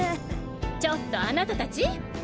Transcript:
ちょっとあなた達！